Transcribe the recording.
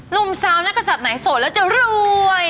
หนุ่มสาวนักศัตริย์ไหนโสดแล้วจะรวย